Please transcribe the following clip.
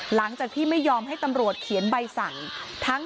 หลังจากที่ไม่ยอมให้ตำรวจเขียนใบสั่ง